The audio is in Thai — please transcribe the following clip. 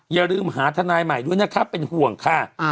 อย่าลืมหาทนายใหม่ด้วยนะคะเป็นห่วงค่ะ